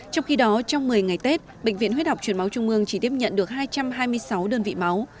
trong khi đó trong một mươi ngày tết bệnh viện huyết học truyền máu trung ương chỉ tiếp nhận được hai trăm hai mươi sáu đơn vị máu